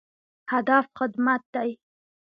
هدف خدمت دی